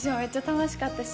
楽しかったし。